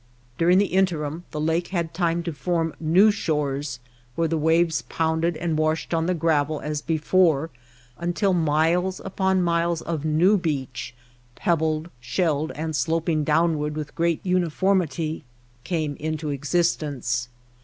During the interim the lake had time to form new shores where the waves pounded and washed on the gravel as before until miles upon miles of new beach — pebbled, shelled, and slop ing downward with great uniformity — came into existence.